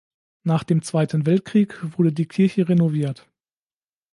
Nach dem Zweiten Weltkrieg wurde die Kirche renoviert.